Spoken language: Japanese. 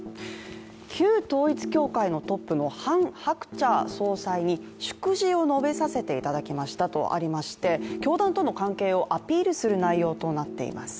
旧統一教会のトップのハン・ハクチャ総裁に祝辞を述べさせていただきましたとありまして教団との関係をアピールする内容となっています。